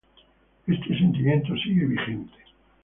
Este sentimiento sigue vigente.